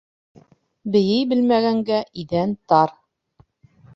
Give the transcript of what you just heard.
Бейей белмәгәнгә иҙән тар.